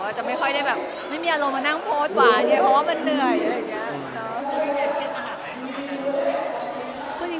จะไม่ค่อยได้แบบไม่มีอารมณ์มานั่งโพสต์หวานด้วยเพราะว่ามันเหนื่อยอะไรอย่างนี้